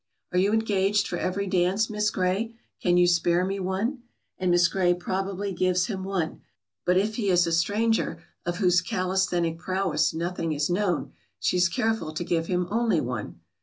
"Are you engaged for every dance, Miss Grey? Can you spare me one?" And Miss Grey probably gives him one, but if he is a stranger of whose calisthenic prowess nothing is known, she is careful to give him only one.